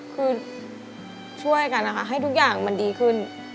คือช่วยกันนะคะให้ทุกอย่างมันดีขึ้น